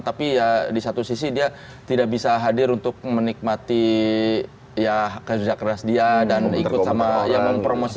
tapi ya di satu sisi dia tidak bisa hadir untuk menikmati ya kerja keras dia dan ikut sama yang mempromosikan